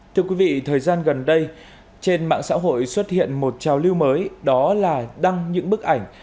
thưa quý vị thời gian gần đây trên mạng xã hội xuất hiện một trào lưu mới đó là đăng những bức ảnh